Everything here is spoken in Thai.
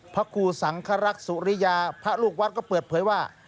พระครูสังครักษ์สุริยาพระลูกวัดก็เปิดเผยว่า